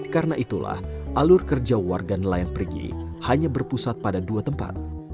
karena itulah alur kerja warga nelayan nelayan pergi hanya berpusat pada dua tempat